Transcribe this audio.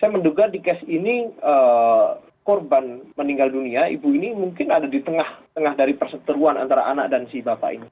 saya menduga di kes ini korban meninggal dunia ibu ini mungkin ada di tengah tengah dari perseteruan antara anak dan si bapak ini